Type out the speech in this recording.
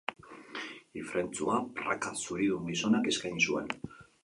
Ifrentzua praka zuridun gizonak eskaini zuen.